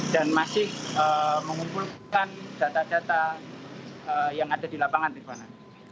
dan masih mengumpulkan data data yang ada di lapangan irvana